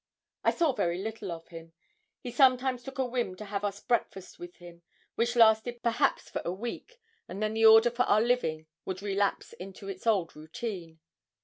I saw very little of him. He sometimes took a whim to have us breakfast with him, which lasted perhaps for a week; and then the order of our living would relapse into its old routine.